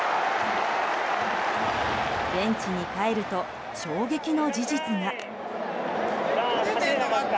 ベンチにかえると衝撃の事実が。